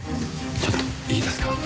ちょっといいですか？